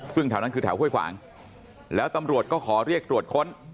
ซึ่งแถวนั้นคือแถวห้วยขวางแล้วตำรวจก็ขอเรียกตรวจค้น